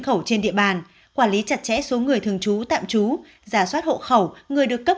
khẩu trên địa bàn quản lý chặt chẽ số người thường trú tạm trú giả soát hộ khẩu người được cấp